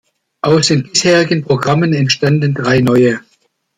Aus den bisherigen Programmen entstanden drei neue.